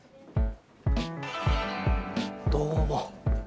どうも。